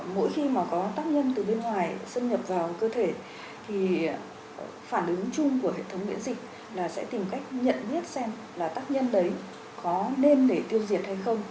mỗi khi mà có tác nhân từ bên ngoài xâm nhập vào cơ thể thì phản ứng chung của hệ thống miễn dịch là sẽ tìm cách nhận biết xem là tác nhân đấy có nên để tiêu diệt hay không